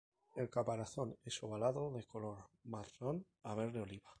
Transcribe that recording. El caparazón es ovalado de color marrón a verde oliva.